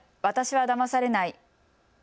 私はだまされない。